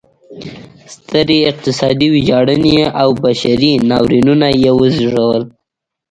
سترې اقتصادي ویجاړنې او بشري ناورینونه یې وزېږول.